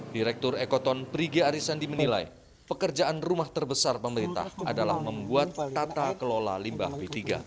direktur ekoton prigya arisandi menilai pekerjaan rumah terbesar pemerintah adalah membuat tata kelola limbah b tiga